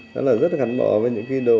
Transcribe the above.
nó là rất gắn bỏ với những cái đồ